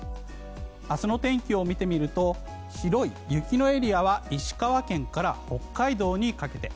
明日の天気を見てみると白い雪のエリアは石川県から北海道にかけて。